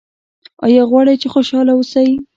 ایا غواړئ چې خوشحاله اوسئ؟